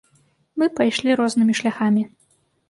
Мы пайшлі рознымі шляхамі.